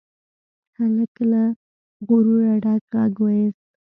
هلک له غروره ډک غږ واېست.